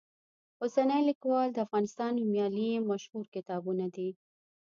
اوسنی لیکوال، د افغانستان نومیالي یې مشهور کتابونه دي.